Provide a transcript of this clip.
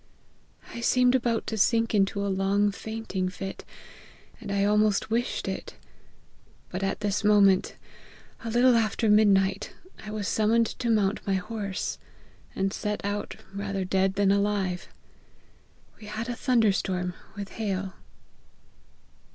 I seemed about to sink into a long fainting fit, and I almost wished it ; but at this moment, a little after midnight, I was summoned to mount my horse, and set out, rather dead than alive. We had a thunder storm with hail."